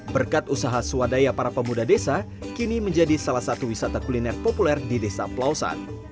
berkat usaha swadaya para pemuda desa kini menjadi salah satu wisata kuliner populer di desa pelausan